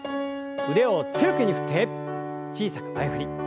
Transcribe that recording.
腕を強く振って小さく前振り。